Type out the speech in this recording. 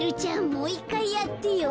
もういっかいやってよ。